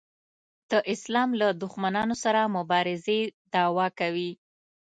د اسلام له دښمنانو سره مبارزې دعوا کوي.